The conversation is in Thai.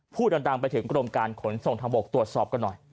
ดังไปถึงกรมการขนส่งทางบกตรวจสอบกันหน่อย